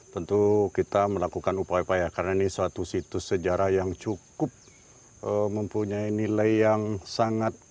tentu kita melakukan upaya upaya karena ini suatu situs sejarah yang cukup mempunyai nilai yang sangat